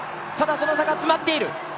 ただ、その差が詰まっている。